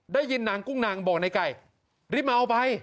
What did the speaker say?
ได้ยินนางกุ้งนางบอกในไก่รีบมาเอาไป